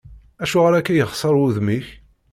Acuɣer akka yexseṛ wudem-ik?